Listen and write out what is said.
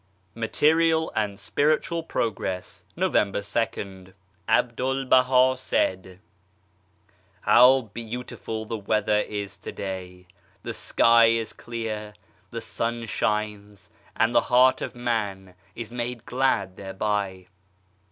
MATERIAL AND SPIRITUAL PROGRESS November 2nd. ABDUL BAHA said :How beautiful the weather is to day, the sky is clear, the sun shines, and the heart of man is made glad thereby